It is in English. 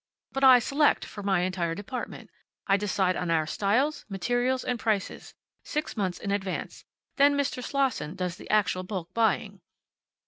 "But I select for my entire department. I decide on our styles, materials, and prices, six months in advance. Then Mr. Slosson does the actual bulk buying."